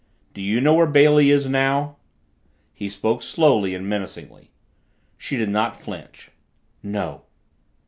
"Do you know where Bailey is now?" He spoke slowly and menacingly. She did not flinch. "No."